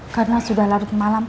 karena sudah larut malam